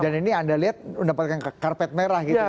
dan ini anda lihat mendapatkan karpet merah gitu ya